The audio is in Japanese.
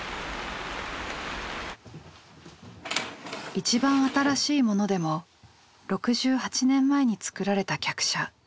一番新しいものでも６８年前に作られた客車。